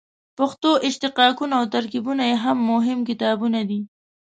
پښتو اشتقاقونه او ترکیبونه یې هم مهم کتابونه دي.